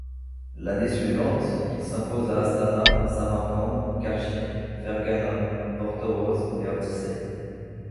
L'année suivante, ils s'imposent à Astana, Samarcande, Karchi, Ferghana, Portorož et Ortisei.